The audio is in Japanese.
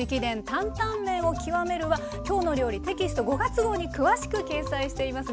担々麺を極める」は「きょうの料理」テキスト５月号に詳しく掲載しています。